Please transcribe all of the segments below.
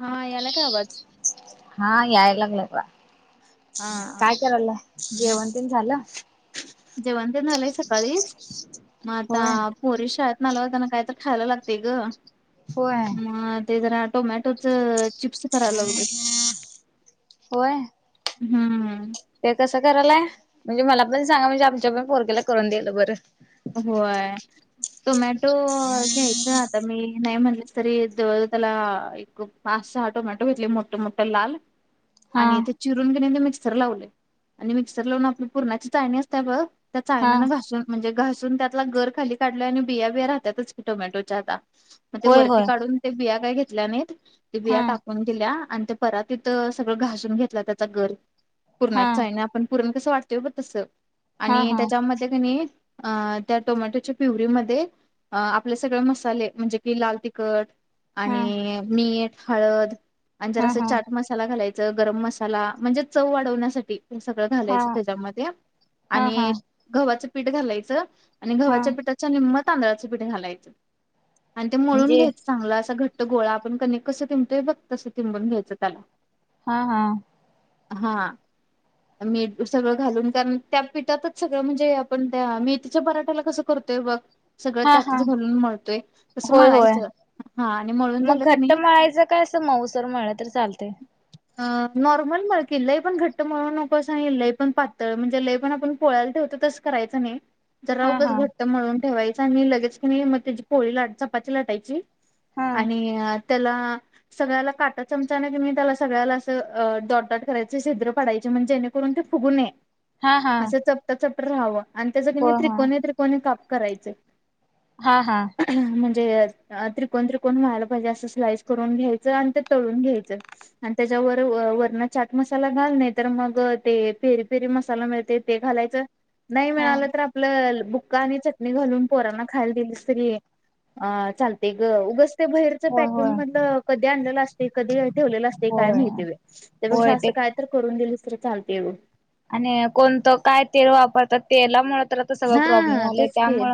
हा याला काय आवाज हा यायला लागलाय हा काय करायला जेवण तेन झालं जेवण तेन जालंय सकाळीच मग आता होय पोरि शाळेत नालाताना काय तर खायला लागते ग होय. मग ते जरा टोमॅटोच चिप्स कराय लागलोय होय हम्म ते कसं करायलाय म्हणजे मला पण सांगा म्हणजे आमच्या पण पोर केला करून दिलं बरं होय टोमॅटो घ्यायचा आ तर मी नाही म्हटलेस तरी त्याला एक पाच सहा टोमॅटो घेतले मोठ मोठ लाल हा आणि ते चिरून घेण्या ते मिक्सर लावले आणि मिक्सर लावून आपली पुूरणाची चाळणी असते बग त्या हा चाळण्यानं घासून म्हणजे घासून त्यातला गर खाली काढलंय आणि बिया बिया्या राहतातच टोमॅटोच्या आता मग ते होय वरती होय काढून ते बिया काय घेतल्या नाहीत ते बिया हा टाकून दिल्या आणि परातीत तथ सगळं घासून घेतला त्याचा घर हा पुूरण्यात आहे आपण पूरण कसं वाटत बर तस हा आणि हा त्याच्यामध्ये कणी अ त्या टोमॅटोच्या पिवरीमध्ये आपले सगळे मसाले म्हणजे कि लाल तिखट हा आणि मीठ हळद आणी हा हा जरासं चाट मसाला घालायचा गरम मसाला म्हणजे चव वाढवण्यासाठी हे सगळं हा घालायचं त्याच्यामध्ये हा हा आणि गव्हाचं पीठ घालायचं आणि हा गव्हाच्या पीठाच्या नििमत तांदळाच पीठ घालायचं आणि ते मोळून म्हणजे घ्यायचं चांगलं असं घट गोळा आपण कने कस टिंबतोय बघ तसं तिंबून घ्यायचं त्याला हा हा हा मीठ सगळं घालून कारण त्या पिठातच सगळं म्हणजे आपण त्या मी तिच्या मराठ्याला कसं करतय बघ सगळं हा हा त्यातच घालून मळतोय तसं होय होय मळायचं हा आणि मळून मग झालं क घट्ट नाही मळायचं काय अस मऊसर म्हलं तर चालते नॉर्मल मळ क लई पण घट्ट मळ नकोसं नाही ल पण पातळ म्हणजे लय पण आपण पोळालाव होत तच करायचं नाही तर हा राऊगच हा घट्ट म्हळून ठेवायचं आणि लगेच क नाही मग त्याची पोळी ला चपाती लाटायची हा आणि त्याला सगळ्याला काटा चमचाने तुही त्याला सगळ्याला अस डटडट करायच शिद्रडायचे जेणेकरून ते फुगूनय हा हा असं चपटा चपट राहावं आणि त्याच्या की होय होय त्रिकोने त्रिकोने काप करायचे हा हा [inaudible] व वरण चाट मसाला घालणे तर मग ते फेरी फेरी मसाला मिळते ते घालायचं नाही हा मिळालं तर बुक्का आणि चटणी घालून पोरांना खायला दिली तरी चालते उ बारच होय पॅक होय म कधी आण अस कधी ठेव अस काय होय माहिती होय त्यापा ते काय तर करून दिलीस तर चालते येव. आणि कोणतं काय तेल वापरतात तेला मु.. तर आता सगळं प्रॉब्लेम हा आलंय तेच की त्यामु...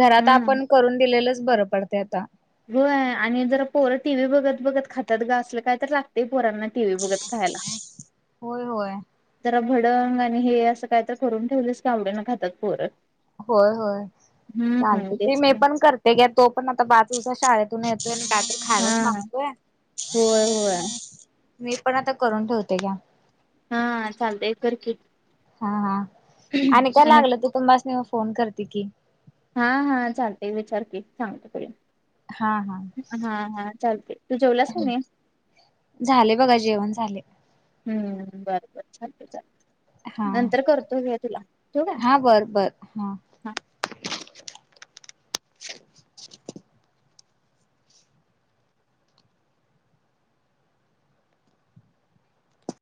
घरात हम्म आपण करून दिलेलंच बरं पडते आता. हो आणि जर पोर टी व्ही बघत बघत खातात ग असलं काय तर लागते. पोरांना टीव बघत खायला.. होय होय भडंग आणि हे असं काय तर करून ठेवलेस काी आवडी न खातात पोर. होय होय चालते की मी पण करते ग तो पण आता बाजूच्या शाळेत.. तथून येतोय आणि टात हा खायलाच मागतोय. होय होय मी पण आता करून ठेवते घ्या. हा चालतय करकिट. हा हा आणि काय लागलं तू तुास फोन करते की. हा हा चालते विचार क सांगते. हा हा. चालतंय तू जेवलास का नाही? झाले बघा जेवण झाले. हम्म बरबर क चालेल. हा ठेवू काय? हा बर बर हा. [inaudible]